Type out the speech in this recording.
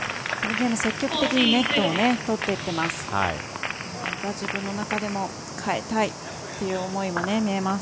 積極的にネットをとっていってます。